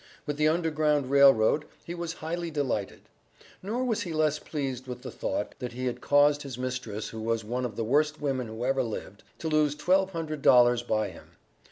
With the Underground Rail Road he was "highly delighted." Nor was he less pleased with the thought, that he had caused his mistress, who was "one of the worst women who ever lived," to lose twelve hundred dollars by him.